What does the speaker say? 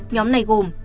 nhóm này gồm